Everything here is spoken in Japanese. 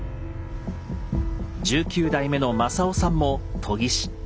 １９代目の雅夫さんも研ぎ師。